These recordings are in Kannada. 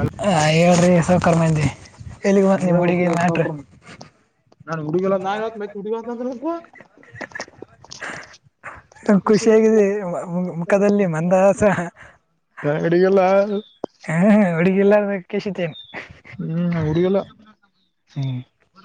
ಅಲ್ ಹ ಹೇಳ್ರಿ ಸೌಕರ್ಮಂದಿ ನೀಗತ ಸಕ ನಾನು ಹುಗಲ್ಲ ನಾನ್ ಮ ಹುಡುಗ ನಂತ್ರ ನಕೂ ಖುಷಿಯಾಗಿದೆ ಮ- ಮು- ಮುಖದಲ್ಲಿ ಮಂದಹಾಸ ಷಂಗಡಿಗೆಲ್ಲ ಹ್ಮ್, ಹುಡುಗಿ ಇಲ್ಲಾರ್ದ ಕೇಶಿತೇನು ಹ್ಮ್ ಉರಿಗಲ್ಲ ಹ್ಮ್ ಒ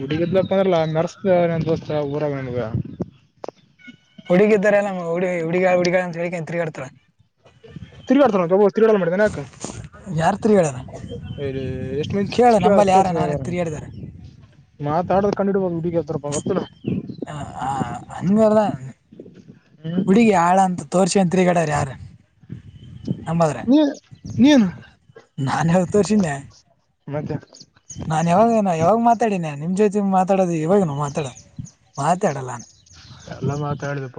ಹುಡುಗಿದ್ಲಪ್ಪ ಅಂದ್ರಲ್ಲಾ ಮರ್ಸತ ನನ್ ದೋಸ್ತ ಊರವ ನಮಗ ಹುಡಿಗ ಇದ್ದಾರೆ ಎಲ್ಲ ಹ ಹುಗ ಹುಡಿಗಾ ಅಂತ ಹೇಳ ತಿಗಾಡ್ತಾರ ತಿರಿಡ್ತ ತಿರುಾಡ ಮಾಡಿದೆ ಏನ ಯಾಕ್ ಯಾರು ತಿರಿ ಹೇಳಣ ಹೇಳ ಎಷ್ಟುಮಂದಿ ಯಾರ ತೋರ್ಸ ನಾನು ತಿರುಗಾಡಿದಾರೆ [inaudible] ಮಾತಾಡದು ಕಂಡಿಡ್ಬ ಹಡಗ ಹತಾರಪ್ಪ ಗೊತ್ತ ಅಂದ್ಮೇಲೆ ಹುಡುಗಿ ಆಳ ಅಂತ ತೋರ್ಸ ತಿರಿಗಡಾರ ಯಾರ ನಂಬದ್ರೆ ನೀ ನೀನು ನಾನ ತೋರ್ಸಿದ್ದೆ ಮತ್ತೆ ನಾನ್ ಯಾವಾಗ ಯಾವಾಗ ಮಾತಾಡಿನ ನಿಮ್ ಜೊತೆ ಮಾತಾಡೋದು ಇವಾಗನು ಮಾತಾಡ ಮಾತಾಡಲನ್ ಎಲ್ಲಾ ಮಾತಾಡಿದಪ್ಪ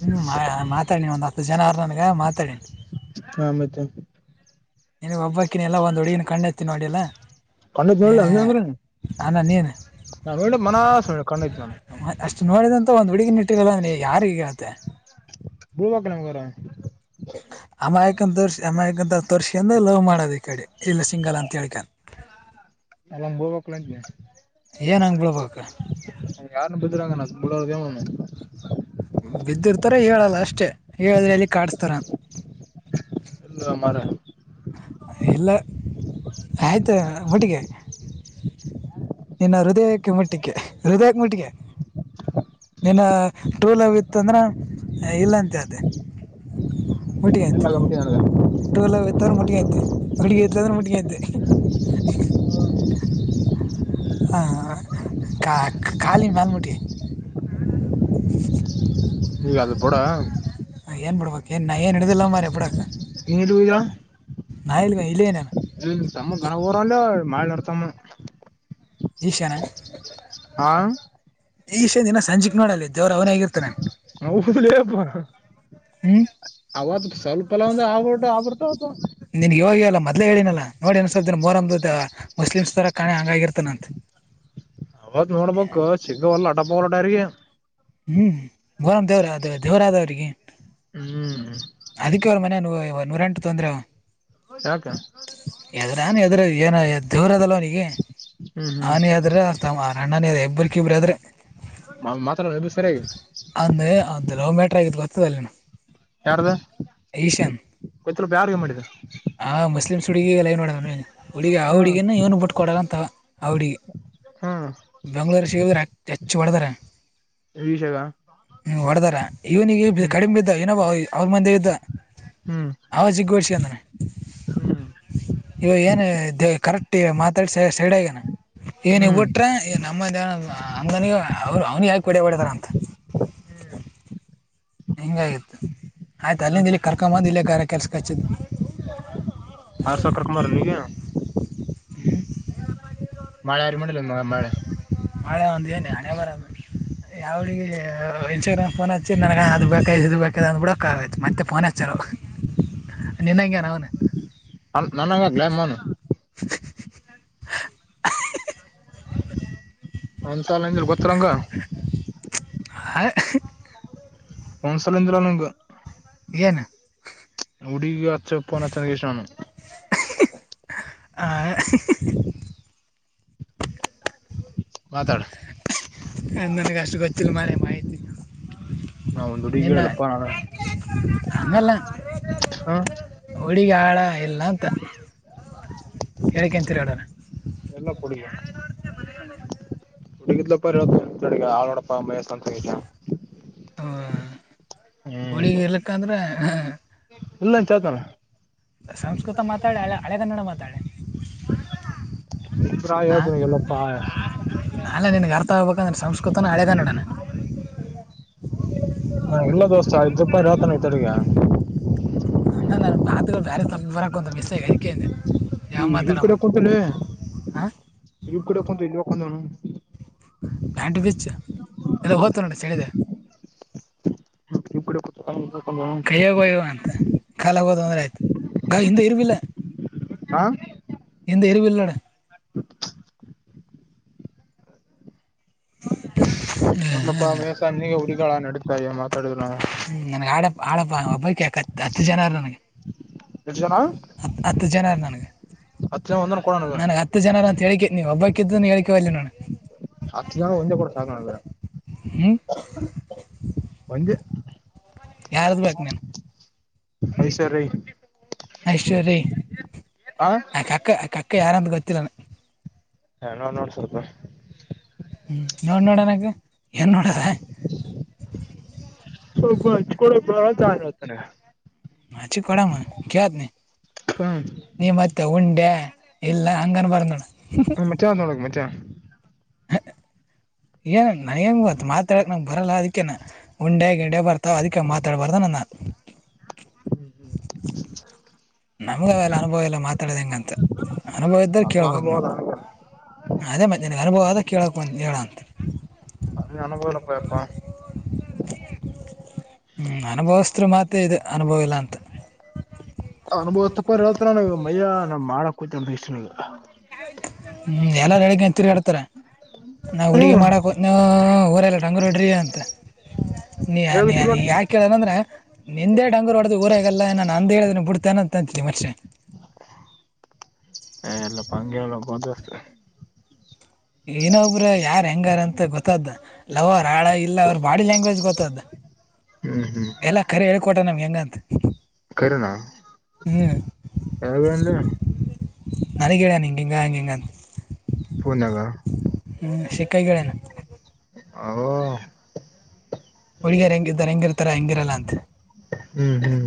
ಹ್ಮ್ ಮಾತಾಡಿ ಒಂದ್ ಹತ್ತು ಜನ ಅವರ ನನ್ಗ ಮಾತಾಡಿನಿ ಹಾ ಮಿತ ನೀ ಒಬ್ಬಕ್ಕಿನ ಎಲ್ಲ ಒಂದ್ ಹುಡಿಗಿನ ಕಣ್ಣತಿ ನೋಡಿಲ್ಲಾ ಕ್ಣತ್ ಹಂಗಗೆ ಅಂದ್ರೆ [inaudible] ಹ ನ ನೀನ್ ಕಣ್ಣೈತ್ ನಾನು ಅಷ್ಟು ನೋಡಿದಂತ ಒಂದು ಹುಡ್ಗಿನ ಯಾರಿಗೆ ಹೀಗಾಗುತ್ತೆ ಬಳ್ಬಕ್ ನಮ್ಗರ [inaudible] ಅಮಾಯಕನ್ ತೋರ್ಸಿ ಅಮಾಯಕನ್ ತೋರ್ಸಿ ಅಂದ ಲವ್ ಮಾಡೋದು ಈ ಕಡೆ ಇಲ್ಲ ಸಿಂಗಲ್ಲ ಅಂತ ಹೇಳ್ಕ ಅಲ್ಲ ಹೋಗಕ್ಲಂತಿ ಏನ್ ಹಂಗ್ ಬಿಳ್ಬೇಕ ಬುಡ ಕಮ್ಮ [unintelligible] ಬಿದ್ದಿರ್ತಾರ ಹೇಳಲ್ಲ ಅಷ್ಟೆ ಹೇಳಿದ್ರೆ ಎಲ್ಲಿ ಕಾಡಸ್ತಾರ ಇಲ್ಲ ಮರ್ರೆ ಇಲ್ಲ ಆಯ್ತು ಒಟ್ಟಿಗೆ ಹ [inaudible] ಇನ್ನ ಹೃದಯಕ್ಕೆ ಮುಟ್ಟಕ್ಕೆ ಹೃದಯಕ್ಕೆ ಮುಟ್ಟಿಗೆ ನಿನ್ನ ಟ್ರು ಲವ್ ಇತ್ತ ಅಂದ್ರ ಇಲ್ಲಂತೆ ಅದೆೇ ಮಟಿಗಂತ ಎಲ್ಲ [unintelligible] ಆಗಬಿಟ್ಟಿ ನನಗ ೋಲ [inaudible] ರ ಮಟ್ಟಿಗೆಯತೆ ಹಡುಗೆ ತಾರ ಮಟ್ಟಿಗೆಂತೆ [inaudible] ಹಾ ಕಾಲಿನ ಭಲ್ಮಟ್ಟಿ [inaudible] ಈಗ ಅದು ಬೂಡ ಎನ್ ಬಿಡ್ಬೇಕ್ ಎನ್ ನಡೆದಿಲ್ಲ ಮಾರ್ರೆ ಬಿಡಕ್ಕೆ ಎನ್ನ ದಾ [inaudible] [unintelligible] ನಾ ಇಲ್ವ ಇಲ್ಲ ಏನೇ ಇ ತಮ್ಮ ಗನ ಊರ ಅಲ್ಲ ಮಾಡನೋ ತಮ್ಮ ಈಶಾನ ಆ ಈಷೆ ದಿನ ಸಂಜೆಕ್ ನೋಡಲ್ಲಿ ದೇವ್ರು ಅವರೆ ಆಗಿರ್ತಾನೆ ಹೌದ್ಲೇಪ್ಪ ಹ್ಞೂ ಅವತ್ ಸ್ವಲ್ಪಲ್ಲ ಒಂದ ಆಬಟ್ಟ ಆಬಿಡ್ತವತ ಮೊದ್ಲೇ ಹೇಳನಲ್ಲ ನೋಡಿ ಇನ ಸ್ವಲ್ಪಾ ಮೊಹರಂ ಮುಸ್ಲಿಮ್ಸ್ ತರ ಕಾಣೆ ಹಂಗಾಗಿರ್ತಾನಂತ ಅವತ್ ನೋಡ್ಬೇಕು ಸಿಗ್ವಲ್ಲ ಟಪೋಗಟಾರಿಗೆ ಮೊಹರಂ ದೇವರ ಅೇ ದೇವರ ಅದವ್ರರಿಗೆ ಹ್ಮ್ ಅದಕ್ಕೆ ಅವ್ರ ಮನೆ ನೂರಂಟು ತೊಂದ್ರೆ ಯಾಕ ಏನ ದೂರ ಅದಲ್ಲವ ಅವನಿಗೆ ಹ್ಮ್ ಹ್ಮ್ ಆನೆ ಅ ಆದ್ರೆ ಅಣ್ಣನ ಇಬ್ಬ್ರಕ ಇಬರು ಆದ್ರೆ ಮಾತ್ದಲ್ ಇಬ್ರು ಸರಿಯಾಗಿ ಹದುಲವ ಮೀಟ್ರ ಆಗಿತ್ತು ಗೊತ್ತದಲ್ಲಿನ ಯಾರ್ದ ಗೊತ್ತಿಲ್ಪ ಯಾರ್ ಏನ್ ಮಾಡಿದ್ರು ಹುಡುಗಿಗೆ ಲೈನ್ ನೋದ ಹುಡುಗ ಆ ಹ್ಮ್ ಹುಡುಗಿಯನ ಏನು ಬಿಟ್ಕೊಡಂತ ಹುಡಿಗೆ ಹ್ಮ್ ಬೆಂಗ್ಳೂರು ಶೇಗದ್ರ ಹೆಚ್ಚು ಹೊಡದ್ರ ವಿಷಗ ಇವನಿಗೆ ಹ್ಮ್ ಕಡಿಮೆ ಇದ್ದ ಇವನ ಅವ್ರ ಮಂದೆ ಇದ್ದ ಹ್ಮ್ ಅವ ಸಿಗ ಕಂದ್ರ ಹ್ಮ್ ಇವ ಏನು ಕರೆಕ್ಟ್ ಮಾತಾಡ್ ಸೈಡಗನ ಏನ್ ಹ್ಮ್ ಇಬಟ್ರ ನಮ್ಮ ಅಂದನಗ ಅವ ಅವ್ನಿ ಯಾಕೆ ಹೊಡಬಡತಾರ ಅಂತ ಹ್ಮ್ ಹಿಂಗಾಗಿತ್ತು ಆಯ್ತು ಹ್ಮ್ ಅಲ್ಲಿಂದ ಇಲ್ಲಿ ಕರ್ಕೊದು ಇಲ್ಲ ಗ ಕೆಲ್ಸಕ್ಕೆ ಹಚ್ಚಿದ್ದ ಆರ್ ಸೌಕರ್ ಕುಮಾರ್ ನೀಗೆ ಹ್ಮ್ ಮಳೆ ಯಾರಿಗ್ ಮಳೆ ಮಾಡಿಲ್ಲ ಹಳೆ ಆಂದ ಹಳ ಮರ ಯಾವಿಗೆ ಇನ್ಸ್ಟಾಗ್ರಾಮ್ ಫೋನ್ ಹಚ್ಚಿ ನನಗ ಅದ ಬೇಕ ಬೇಕ ಅ ಬಿಡಕ್ ಆತ್ ಮತ್ತೆ ಫೋ ಹಚ್ಚಾರ ಹ್ಮ ನಿನ್ನಂಗಾನ ಅವನ ನನಂಗ್ಲಮ್ಮನು ಒಂದ್ಸಲ ನಿಂದಿಲ್ ಗೊತ್ರಂಗ ಹ [unintelligible] ಒಂದ್ಸಲಿಂದಿಲ್ಲ ನಂಗಗ ನು ಉಡಿ ಅಚ್ಚಪ್ಪನ್ಚ್ಚನ್ ಕಷು ಆ ಮಾತಡ ಅ ನನಗೆ ಅಷ್ಟು ಗೊತ್ತಿಲ್ಲ ಮರ ಮಾಹಿತಿ ನಾ ಒಂದು ಹಡಿಗ್ ಹೇಳಪ್ಪಾ ನಾನು ಅಮಲ್ಲ ಹ ಹಳಗ ಆಳ ಇಲ್ಲ ಅಂತ ಹೇಳೇಳ್ಕಂತೀರಿ ಹೇಳಡೋಣ ಎಲ್ಲಾ ಕುಡಗ ಹಡುಗಿದ ಹಾಡಪ್ಪ ಮ ಹಓ ಹಳಗ ಇರ್ಲಕ್ಕ ಅಂದ್ರೆ ಇಲ್ಲ ಅಂತ ಹೇಳ್ತಾನ ಸಂಸ್ಕೃತ ಮಾತ್ರ ಮಾತಾಳೆ ಹಳೆ ಹಳೆಗನ್ನಡ ಮಾತಾಳೆ ಇಬ್ರ ಹ ಹೇಳ್ತಾನ ಎಲ್ಲಪ್ಪಾ ಹಾ ಅಲ್ಲ ನಿನ್ಗೆ ಗರ್ ತಾ ಹೋಗಬೇಕಂದ್ರೆ ಸಂಸ್ಕೃತನ ಅಳೆದ ನೋಡೋಣ ಹಾ ಎಲ್ಲ ದೋಸ್ತ ಐದ್ ರೂಪಾಯಿ ರಾತಾನ ಈತಗ ಅ ನ ಭತು ಬೇರೆ ತರಂತ ಮಿಸ್ನೆ ಈ ಇ ಕಡೆ ಕುಂತಾನ ಹಾಂ ಇಗ್ ಕಡೆ ಕುಂತ ಇಲ್ಂದ ಹ್ಯಾಂಡವಿಚ್ ಇಲ್ಲ ಹತ್ತು ನೋ ಚಳಿದೆ ಇರಿಬ್ ಕಡೆ ಕುಂತ ಅಲ್ಲಿ ಹೋಕೊಂಡವನು ಕೈಯ್ಯಾಗೋಯವ ಅಂತ ಕಾಲಾಗೋದು ಅಂದ್ರೆ ಆಯ್ತು ಗ ಹಿಂದೆ ಇರ್ಬಿಲ್ಲ ಹಾ ಎ ಎರಿವ ಇಲ್ಲಣ [inaudible] [unintelligible] ಎಲ್ಲಪ್ಪಾ ಮೇಸ ನೀಗ ಹುರಿಗಾ ನಡತಾಯ ಮಾತಾಡಿದ್ರು ಹ್ಮ್ ನನ್ಗೆ ಆಡ ಆಡಪ್ಪ ಒಬ್ಬ ಯ ಹತ್ತು ಜನಾರ ನನ್ಗೆ ಎಷ್ಟ ಜನ ಹತ್ತು ಜನ ಒಂದನ ಕೊಡ ನನಗ ನನ್ಗ್ ಹತ್ತು ಜನರಂತ ಹೇಕೇ ನೀವು ಒಬ್ಬಕ್ಕಿದ್ದ ಹೇಳ್ಕೇವ ಅಲ್ಲಿ ನಾನು ಅತ್ತು ಒಂಜ ಕೂಡ ಸಾಕಣಲ್ಲ ಹ್ಞೂ ಒಜ ಯಾರ್ದ ಬೇಕು ನೀನು ಯ್ ಸರ್ ರಐ ಐಶ್ವರೀ ಆ ಕಕ್ಕ ಆ ಕಕ್ಕ ಯಾರ ಅಂತ ಗೊತ್ತಿಲ್ಲಾನ ಹ ನಾ್ ನೋಡ್ ಸ್ಲ್ಪ ಹ್ಮ್ ನೋಡ್ ನೋಡ ನಗ ಏನ್ ನೋಡದ ಸ್ವಲ್ಪಚ್ಕಡ ಬತಾರೆ ಹಚಿ ಕೊಡಾಮ ಕೇಳತ್ ನೀ ನೀ ಮತ್ತೆ ಉಂಡೆ ಇಲ್ಲ ಹಂಗನ್ ಬಾರದನೋಡ ಹ್ಮ ಮಚ ನೋಡಕ್ ಮಚ ಏನ್ ನನಗೆ ಗೊತ್ತ ಮಾತಾಡಕ್ ನಂಗ್ ಬರಲ್ಲ ಅದಕ್ಕೇನ ಉಂಡೆ ಗಿಂಡೆ ಬರ್ತಾವ ಅದಿಕ ಮಾತಾಡ್ಬಾರ್ದ ನ ಹ ನಮ್ಗ ಅವೆಲ್ಲ ಅನುಭವ ಇಲ್ಲ ಮಾತಾಡದ ಹೆಂಗಂತ ಅನುಭವ ಇದ್ದ್ರ ನನ್ಗ ಕೇಳ್ಬೋಕ್ ಅನುಭವ ನಾವ ನನಗೆ ಅದೇ ಮತ್ತ್ಯಾ ನಿನಗ ಅನುಭವ ಅದ ಕೇಳಕ್ ಹೇಳಂತ ಅದ ಅನುಭವ ಇಲ್ಲಪಪ್ಪಾ ಹ್ಮ್ ಅನುಭವಸ್ರು ಮಾತ್ತೇ ಇದು ಅನುಭವ ಇಲ್ಲ ಅಂತ ಅನುಭವ ತಪ್ಪರ್ ಹಳ್ತ್ರ ನಗ ಮಯಾ ನಾ ಮಾಡಕ್ ಕೂತ ಅ ಇಗ ಹ್ಮ್ ಎಲ್ಲಾರ ಬೆಳಗ್ಂತರ್ ಹಡ್ತಾರ ನಾ ಹುಡುಗಿ ಹ್ಮ್ ಮಾಡಕ್ ಹದನ ಹಾ ಊರೆಲ್ಲ ರಂಗರೋಡ್ರಿ ಅಂತ ನೀ ಹೇಗ ನೀ ನೀ ತಿರ್ಗಾಡ್ ಯಾಕೆ ಹೇಳನಂದ್ರೆ ನಿಂದೆ ಡಂಗೂರ್ ಹೊಡ್ದ್ ಊರಾಗಲ್ಲ ನಾನು ಅಂದ ಹೇಳಿದ ಬಿಡ್ತೇನೆ ಅಂತ ಅಂತೀನಿ ಮತ್ತೆ [inaudible] ಹ ಎಲ್ಲ ಪಂಗಗೆಲ್ಲ ಬದ ಏನೊಬ್ರ ಯಾರ್ ಹೆಂಗಾರ ಅಂತ ಗೊತ್ತಾದ್ದ ಲವರ್ ಹಳ ಇಲ್ಲ ಅವ್ರ ಬಾಡಿ ಲ್ಯಾಂಗ್ವೇಜ್ ಗೊತ್ತದ ಹ್ಮ್ ಹ್ಮ್ ಎಲ್ಲ ಕರಿ ಹೇಳ್ಕೊಟ ನಮ್ ಹೆಂಗಂತ ಕರೆನಾ ಹ್ಮ್ ಯಾವಂದ ನನಗ ಹೇಳನ ಹಿಂಗಿಗ ಹಿಂಗಂಗಿಂತ ಪೂನಗ ಹ್ಮ್ ಶಿಕೈಗಳೇನು ಹ ಹುಡಿಗಾರ್ ಹೆಂಗದಿರ ಹೆಂಗಿರ್ತಾರ ಹೆಂಗಿರಲ್ಲ ಅಂತ ಹ್ಮ್ ಹ್ಮ್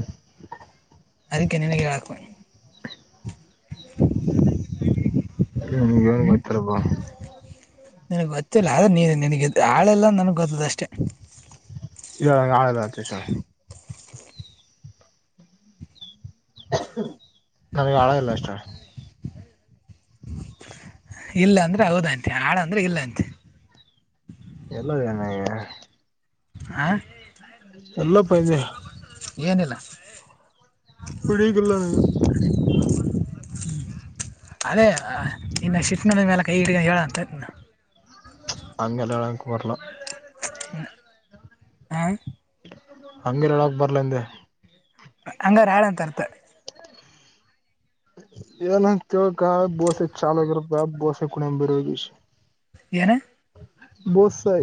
ಅದಕ್ಕೆ ನಿನಗೆ ಹೇಳಾಕ್ [inaudible] ಗೋತ್ತಿಲ್ಲ ಬ ನಿನ್ಗ್ ಗೊತ್ತಿಲ್ಲ ಆದ್ರೆ ನೀ ನಿನಗೆ ಹಾಳೆಲ್ಲ ನನ್ಗ್ ಗೊತ್ತದ ಅಷ್ಟೇ ಹೇಳ ನನಗ ಹಾಳ ಇಲ್ಲ ನನಗೆ ಹಾಳಾ ಇಲ್ಲ ಅಷ್ಟೇಳ ಇಲ್ಲ ಅಂದ್ರೆ ಹೌದಂತೆ ಹಾಳ ಅಂದ್ರೆ ಇಲ್ಲಂತೆ ಎಲ್ಲ ಜನಗೆ ಆ ಎಲ್ಲ ಪಯಂದ ಏನಿಲ್ಲ ಹುಡಗಿಲ್ಲ ನನಗ ಅದೇ ಇನ್ನು ಶಫನಂದ ಮೇಲ ಕೈ ಹಿಡ್ಗ ಹೇಳಂತ ಅಂಗ ಎಲ್ಲಳಂಕೂ ಬರಲ ಹಾ ಹಂಗ ಹೇಳಕ್ ಬರ್ಲ ಹಿಂದೆ ಹಂಗಾರ ಹಾಳ ಅಂತರ್ತ ಏನಂಗ ತೀಳಕ ಬೋಸೆ ಚಾಲೋಕ ಇರಬೇಕ ಬೋಸೆ ಕುಣ ಬರಷ ಏನ ಬೋಸೆ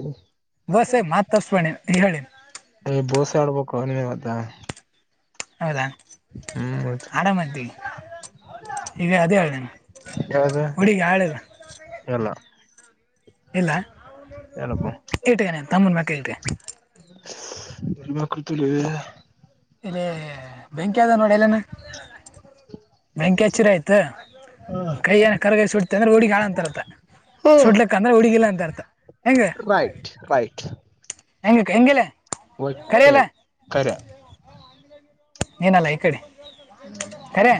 ಬಸ್ ಮಾತು ತಪ್ಪಿಸ್ಬೇಡಿ ಹೇಳಿ ಏ ಬೋಸೆ ಆಡ್ಬೇಕು ಅವ ನೀ ಮತ್ತ ಹೌದಾ ಹ್ಮ್ ಹೌದು ಆರಾಮಂತೀವಿ ಈಗ ಅದೇ ಹೇಳ್ ನೀನ ಯಾವ್ದ ಎಲ್ಲ ಇಲ್ಲ ಏನಪ್ಪ ಇಟಗಾನೆ ತಮ್ಮೂನ್ ಮಕ್ಕ ಟಿ ಬ ಬಕತಲ್ಲ ಇಲ್ಲಿ ಬೆಂಕಿ ಅದ ನೋಡಿ ಎಲ್ಲಾನ ಬೆಂಕಿ ಹಚ್ಚಿರ ಆಯ್ತು ಕೈಯ ಏನ ಕರಗೈ ಸುಡ್ತ ಅಂದ್ರೆ ಹುಡಿಗಿಳ ಅಂತ ಅರ್ಥ ಸುಡ್ಲಕ್ಕ ಅಂದ್ರೆ ಹುಡಿಗಿಲ್ಲಾ ಅಂತ ಅರ್ಥ ಹೆಂಗ ರೈಟ್ ರೈಟ್ ಹೆಂಗ ಹೆಂಗೆಲ್ಲ ಕೆ ಕರೆ ಏನಲ್ಲ ಈ ಕಡೆ ಖರೆ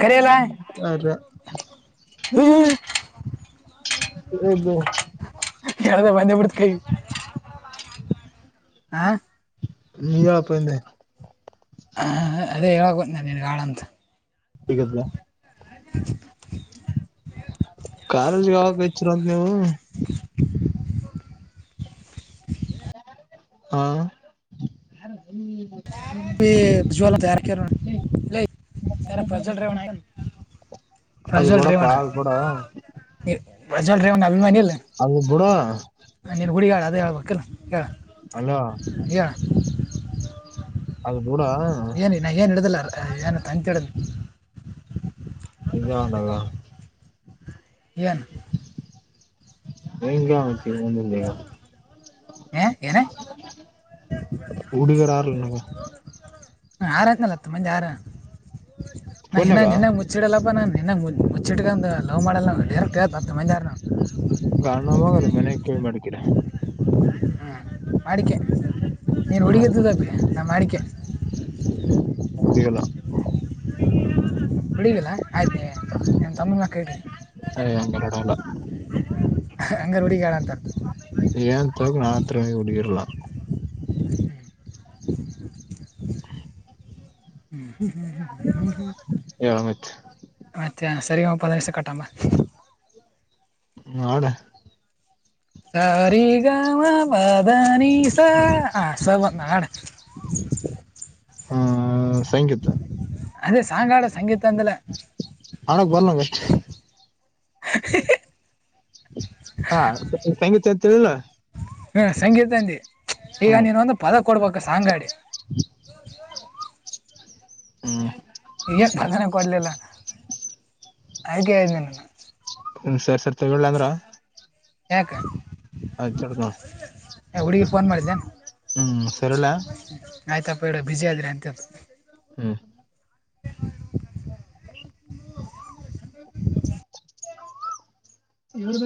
ಕಖರೆ ಎಲ್ಲ ಅದೆ ಹದು ಯದ ಬಂದಂದು ಬಿಡ್ತಕಿ ಹ ನೀ ಹೇಳಪ್ಪಂದೆ ಹ ಅದೇ ಹೇಳೋದ ನ ನಿನ್ಗೆ ಆಳ ಅಂತ ಕ [unintelligible] [inaudible] ಕಾಲೇಜ್ಗೆ ಯಕ ಇಚ್ಚರಂತ ನೀವು [inaudible] [inaudible] ಹಾ ಪ ಭಜಾಲ ತಯಾರಕ ನ ರ ಪ್ರಜಲ್ ಡ್ರೈವಣ ಆ ಅದು ಪ್ರಜಲ್ ಬಿಡಪ್ಪಾ ಡ್ರೈವಣ ಅದು ಬಿಡ ನೀ ಲ್ ರನ್ನ ಅಭಿಮಾನಿ ಲ್ಲ ಅಲ್ಲಿ ಬುಡ ಅದೇಬೇಕಕ್ಕಲ್ಲ ಹೇಳ ಅಲೋ ಹೇಳ ಅದು ಬಿಡ ಏನ ನಾ ಏನ್ ಹಡುದಿಲ್ಲ ಏನ್ ಅಂತ ಹೇಳಿದ್ ಎಜ ಹೊಂಡಾಗ ಎನ್ ಮ ಮತ್ತ ಒಂದ ಹ ಏನ ಉಡುಗರಾರಲ್ಲ ಹ ಆರನಲ್ಲ ಮಂಜೆ ಆರ ಫೋನ್ಯಾಗ ನಾನ್ನಾಗ್ ನೆನ್ ಮುಚ್ಚಿಡಲ್ಲಪ್ಪ ನ ನನ್ಗ ಮುಚ್ಚ ಮುಚ್ಚಿಟಕ ಲೋವ ಮಾಡಡಲ್ಲ ಡೇರ ಕತತ ಮಂದಾರನ ಗ ನ ಹೋಗಲ್ಲ ಮನೆಗ್ ಕೇಳ ಮಾಡಕೀರ ಹ್ಞೂ ಮಾಡಿಕೆ ನೀನು ಹುಡುಗದದ ನಾ ಮಾಡಿಕೆ ಹಂಗಲ್ಲ ಬಿಡವಿಲ್ಲ ಆಯ್ತ ನನ್ ತಮ್ಮನ ಕೇಳಿ ಯ ಒಂದೆರಡುಲ್ಲ ಹಂಗ ಹುಡಿಗಡ ಅಂತ ಏನ್ ತಕ ನಾ ಆತ್ರ ಕುಡರ್ಲಾ ಹ್ಮ್ ಹ್ಮ ಹ್ಮ್ ಹ್ಮ್ಮ್ಮ ಹಾಮ್ತ್ ಮತ್ತೆ ಸರಿ ಪಂದಸ ಕಟ್ಟಾಮ ಆಡ ಸರಿ ಗಾಮ ಬಧಾನ ಸ ಆಸವ ನಾಡ [inaudible] [inaudible] ಹ್ಮ ಸೈಂಕತ್ ಅದೇ ಸಾಂಗಾಡ ಸಂಗೀತ ಅಂದಲ ಹಾಡಕ್ ಬರಲ್ಲನಗೆ ಹೇಹೆ [unintelligible] ಹಾ ಸಂಗೀತ ಇತಿಲ್ಲ ಹ್ಮ ಸಂಗೀತಂದಿ ಈಗ ನೀನೊಂದು ಪದ ಕೊಡ್ಬೇಕ ಸಾಂಗ್ ಆಡಿ [inaudible] ಈಗ ಸಾಧನೆ ಕೊಡ್ಲಿಲ್ಲ ಹಾಗಯ್ ಆ ಹ್ಮ ಸರ್ ಸರ್ ತಗಳ್ಳ ಅಂದ್ರ ಯಾಕ ಆಯ್ತಡ್ತ ಫೋನ್ ಮಾಡಿದ್ದೆ ಹ್ಮ್ ಸರಿಲ್ಲ ಬೇಡ ಬಿಸಿ ಆದ್ರೆ ಅಂತ ಹ್ಮ್ [unintelligible]